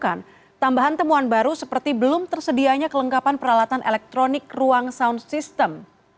kedatangan fifa juga menemukan tambahan temuan baru seperti belum tersedianya kelengkapan peralatan elektronik ruang sound system